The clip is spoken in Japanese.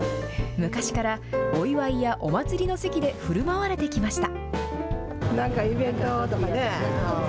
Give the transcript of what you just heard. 昔からお祝いやお祭りの席でふるまわれてきました。